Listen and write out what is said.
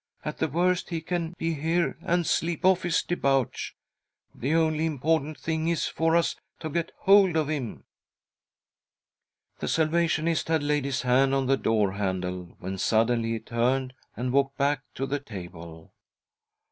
At the worst he can he here and sleep off his debauch. The only important thing is for us to get hold of him." The Salvationist had laid his hand on the door handle when suddenly he turned and walked back to the table.